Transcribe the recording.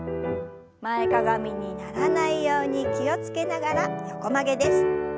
前かがみにならないように気を付けながら横曲げです。